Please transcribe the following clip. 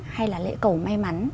hay là lễ cầu may mắn